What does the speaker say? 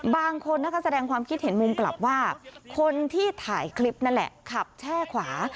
บางคนนะคะแสดงความคิดเห็นมุมกลับว่าคนที่ถ่ายคลิปนั่นแหละขับแช่ขวา